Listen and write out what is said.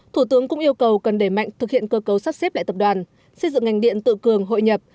thủ tướng cũng yêu cầu cần đẩy mạnh thực hiện cơ cấu sắp xếp lại tập đoàn xây dựng ngành điện tự cường hội nhập